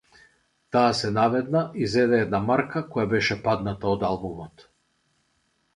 Тој се наведна и зеде една марка која беше падната од албумот.